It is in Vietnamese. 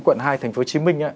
quận hai tp hcm